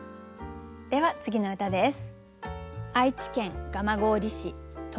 では次の歌です。